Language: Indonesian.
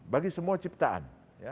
bagi semua ciptaan